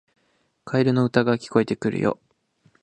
カエルの歌が聞こえてくるよ